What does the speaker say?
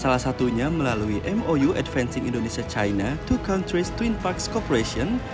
salah satunya melalui mou advancing indonesia china dua countries twin parks cooperation